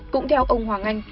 cũng theo ông hoàng anh